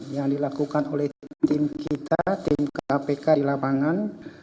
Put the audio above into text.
yang dilakukan oleh tim kita tim kpk di lapangan